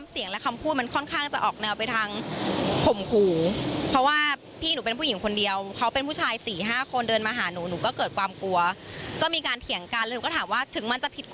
ส่วนการที่วินจอยอ้างว่าหากปฏิสุดใจวินก็ควรจะออกมาชี้แจงเรื่องนี้ด้วย